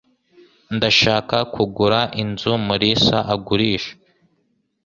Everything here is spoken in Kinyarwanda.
Ndashaka kugura inzu Mulisa agurisha.